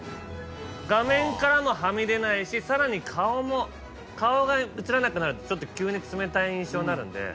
画面からもはみ出ないしさらに顔が映らなくなるとちょっと急に冷たい印象になるんで。